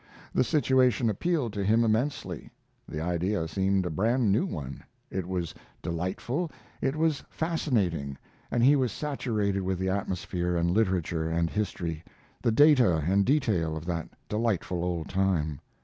The situation appealed to him immensely. The idea seemed a brand new one; it was delightful, it was fascinating, and he was saturated with the atmosphere and literature and history the data and detail of that delightful old time.